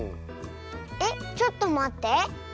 えっちょっとまって。